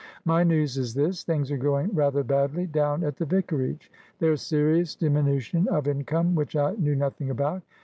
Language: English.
My news is this. Things are going rather badly down at the vicarage. There's serious diminution of income, which I knew nothing about.